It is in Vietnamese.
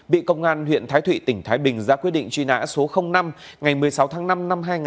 bị công an huyện thái thụy tỉnh thái bình ra quyết định truy nã số năm ngày một mươi sáu tháng năm năm hai nghìn một mươi ba